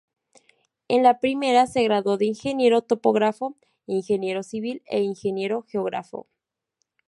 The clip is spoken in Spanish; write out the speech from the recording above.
En la primera, se graduó de Ingeniero Topógrafo, Ingeniero Civil e Ingeniero Geógrafo.